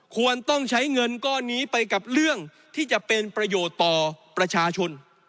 ควรต้องใช้เงินก้อนนี้ไปกับเรื่องที่จะเป็นประโยชน์ต่อประชาชน